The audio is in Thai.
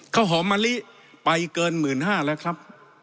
ข้าวหอมะลิไปเกินหมื่นห้าแล้วครับ